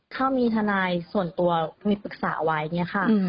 ถ้ามีทนายส่วนตัวมีปรึกษาไว้เนี่ยค่ะ